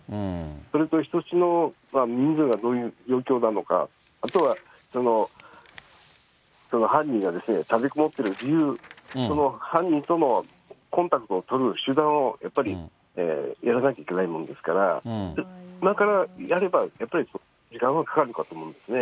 それと人質の人数がどういう状況なのか、あとは犯人が立てこもっている理由、犯人とのコンタクトを取る手段をやっぱりやらなきゃいけないもんですから、今からやれば、やっぱり時間はかかるかと思うんですね。